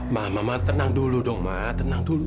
ma ma ma tenang dulu dong ma tenang dulu